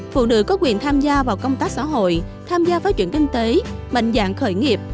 phụ nữ có quyền tham gia vào công tác xã hội tham gia phát triển kinh tế mạnh dạng khởi nghiệp